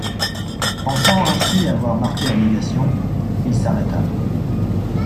Pensant avoir ainsi marqué la négation, il s'arrêta.